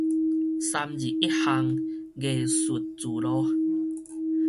三二一巷藝術聚落